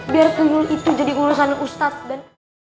biar tuyul itu jadi ulasan ustaz dan